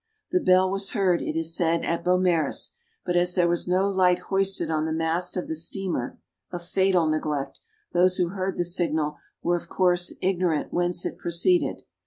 The bell was heard, it is said, at Beaumaris, but, as there was no light hoisted on the mast of the steamer, (a fatal neglect!) those who heard the signal were, of course, ignorant whence it proceeded.